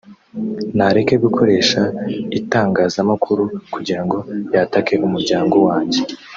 nareke gukoresha itangazamakuru kugirango yatake umuryango wanjye